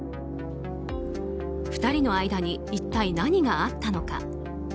２人の間に一体何があったのか。